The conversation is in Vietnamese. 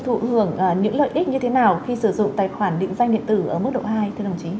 thụ hưởng những lợi ích như thế nào khi sử dụng tài khoản định danh điện tử ở mức độ hai thưa đồng chí